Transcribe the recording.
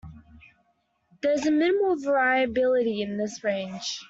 There is minimal variability in this range.